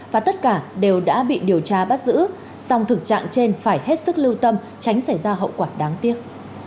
và tất cả đều đã bị điều tra bắt giữ song thực trạng trên phải hết sức lưu tâm tránh xảy ra hậu quả đáng tiếc